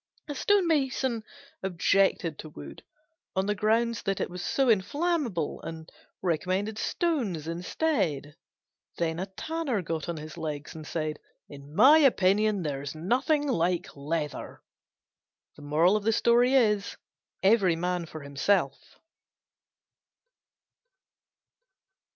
A Stone mason objected to wood on the ground that it was so inflammable, and recommended stones instead. Then a Tanner got on his legs and said, "In my opinion there's nothing like leather." Every man for himself.